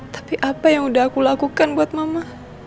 tapi apa yang udah aku lakukan buat mama